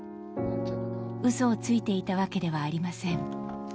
うそをついていたわけではありません。